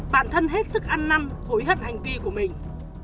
bản thân hết sức ăn năn hối hận hành vi của mình